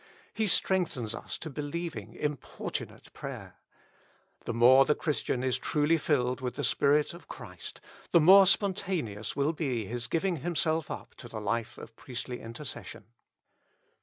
He strengthens us to believing, importunate prayer. The more the Christian is truly filled with the Spirit of Christ, the more spontaneous will be his giving himself up to the life of priestly intercession.